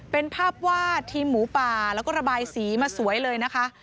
เป็นภาพวาดทีมหมูป่าแล้วก็ระบายสีมาสวยเลยนะคะ